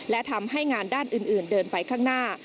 และทำให้งานด้านอื่นเดินไปข้างหน้า